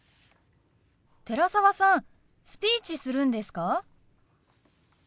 寺澤さんスピーチするんですか？